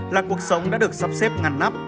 là cuộc sống đã được sắp xếp ngăn nắp